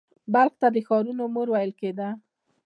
بلخ ته د ښارونو مور ویل کیده